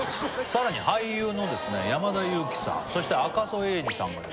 さらに俳優の山田裕貴さんそして赤楚衛二さんがですね